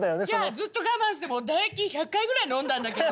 ずっと我慢して唾液１００回ぐらい飲んだんだけど。